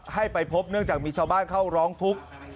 ให้ไปพบเนื่องจากมีชาวบ้านเข้าร้องทุกข์